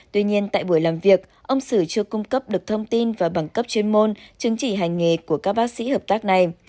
tuy nhiên tại buổi làm việc ông sử chưa cung cấp được thông tin và bằng cấp chuyên môn chứng chỉ hành nghề của các bác sĩ hợp tác này